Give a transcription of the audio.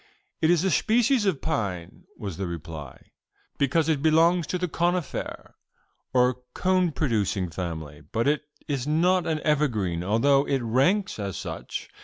] "It is a species of pine," was the reply, "because it belongs to the Coniferae, or cone producing, family; but it is not an evergreen, although it ranks as such.